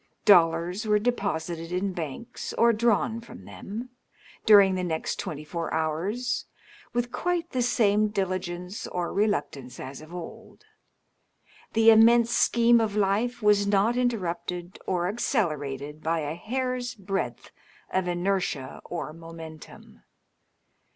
Dollars were deposited in banks or drawn from them, during the next twenty four hours, with quite the same dil^nce or reluctance as of old. The immense scheme oi life was not interrupted or accelerated by a hair's breadth of inertia or momentum.